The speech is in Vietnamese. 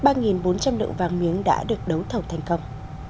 ba bốn trăm linh lượng vàng miếng đã được đấu thầu thành công